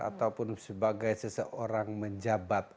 ataupun sebagai seseorang menjabatkan